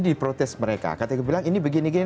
di protes mereka kata kata bilang ini begini gini